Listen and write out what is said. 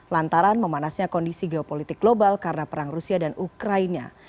lantaran memanasnya kondisi geopolitik global karena perang rusia dan ukraina